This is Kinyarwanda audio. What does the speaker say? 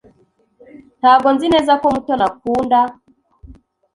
Ntabwo nzi neza ko Mutoni akunda.